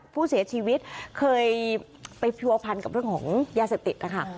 ผู้เสียชีวิตเคยไปเพราะผันกับเรื่องของยาเสธติด